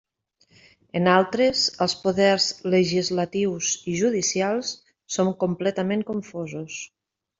En altres, els poders legislatius i judicials són completament confosos.